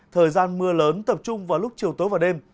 thời gian mưa lớn tập trung vào lúc chiều tối và đêm